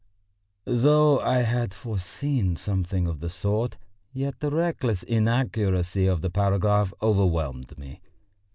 Though I had foreseen something of the sort, yet the reckless inaccuracy of the paragraph overwhelmed me.